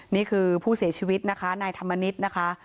นี่คือผู้เสียชีวิตนะคะนายธรรมนิษฐ์นะคะ